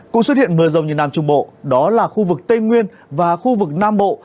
cũng xuất hiện mưa rông như nam trung bộ đó là khu vực tây nguyên và khu vực nam bộ